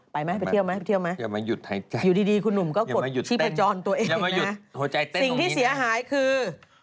ไปไหมไปเที่ยวไหมไปเที่ยวไหมอยู่ดีคุณหนุ่มก็กดที่เพจรตัวเองนะฮะสิ่งที่เสียหายคือ